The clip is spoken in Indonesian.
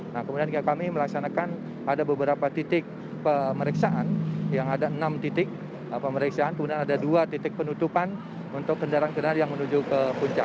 nah kemudian kami melaksanakan ada beberapa titik pemeriksaan yang ada enam titik pemeriksaan kemudian ada dua titik penutupan untuk kendaraan kendaraan yang menuju ke puncak